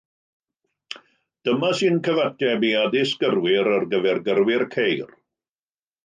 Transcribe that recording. Dyma sy'n cyfateb i addysg gyrwyr ar gyfer gyrwyr ceir.